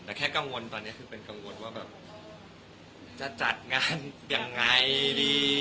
แต่แค่กังวลตอนนี้เป็นจะจัดงานอย่างไรดี